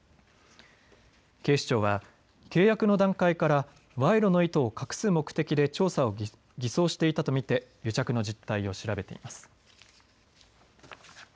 警視庁は契約の段階から賄賂の意図を隠す目的で調査を偽装していたと見て癒着の実態を調べています。